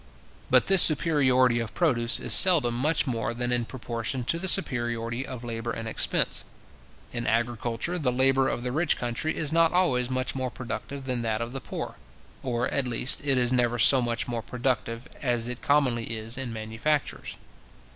But this superiority of produce is seldom much more than in proportion to the superiority of labour and expense. In agriculture, the labour of the rich country is not always much more productive than that of the poor; or, at least, it is never so much more productive, as it commonly is in manufactures.